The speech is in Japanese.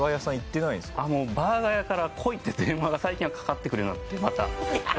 バーガー屋から「来い」って電話が最近はかかってくるようになってまた。